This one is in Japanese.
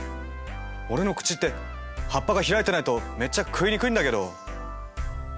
俺の口って葉っぱが開いてないとめっちゃ食いにくいんだけど？